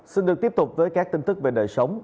xin được tiếp tục với các tin tức về đời sống